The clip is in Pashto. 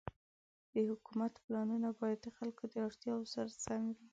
د حکومت پلانونه باید د خلکو د اړتیاوو سره سم وي.